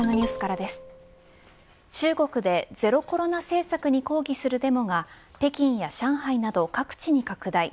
中国でゼロコロナ政策に抗議するデモが北京や上海など各地に拡大。